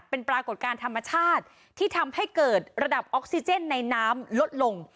เป็นปรากฏการณ์ธรรมชาติที่ทำให้เกิดระดับออกซิเจนในน้ำลดลง